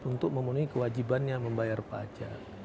untuk memenuhi kewajibannya membayar pajak